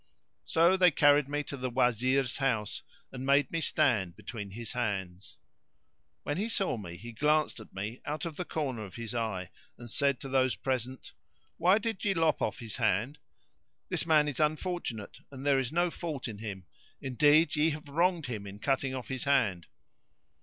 So they carried me to the Wazir's house and made me stand between his hands. When he saw me, he glanced at me out of the corner of his eye and said to those present, "Why did ye lop off his hand? This man is unfortunate, and there is no fault in him; indeed ye have wronged him in cutting off his hand."